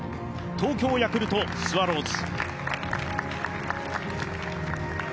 東京ヤクルトスワローズ。